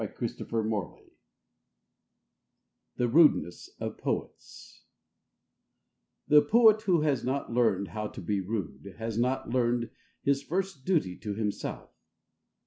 THE RUDENESS OF POETS The poet who has not learned how to be rude has not learned his first duty to himself.